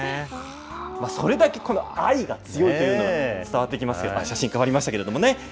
それだけこの愛が強いというのが伝わってきますけれども、写真変わりましたけれどもね。